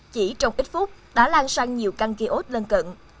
chỉ trong ít phút đã lan sang nhiều căn kế ốt lân cận